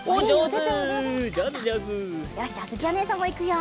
よしじゃああづきおねえさんもいくよ。